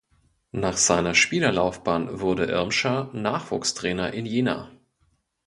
Nach seiner Spielerlaufbahn wurde Irmscher Nachwuchstrainer in Jena.